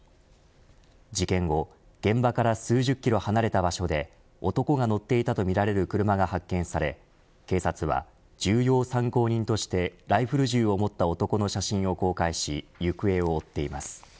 事件後現場から数十キロ離れた場所で男が乗っていたとみられる車が発見され警察は重要参考人としてライフル銃を持った男の写真を公開し行方を追っています。